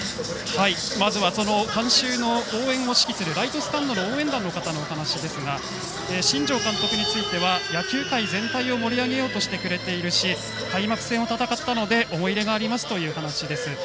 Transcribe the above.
まずはその観衆の応援を指揮するライトスタンドの応援団の方のお話ですが新庄監督については野球界全体を盛り上げようとしてくれているし開幕戦を戦ったので思い出がありますという話です。